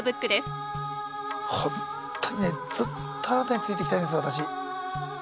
本当にねずっとあなたについていきたいんです私。